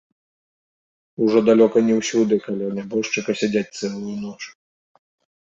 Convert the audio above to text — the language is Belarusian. Ужо далёка не ўсюды каля нябожчыка сядзяць цэлую ноч.